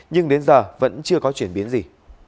nhưng đến giờ vẫn chưa có chuyển biến gì